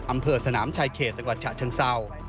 อำเภอสนามชายเขตกว่าชะเชิงเสา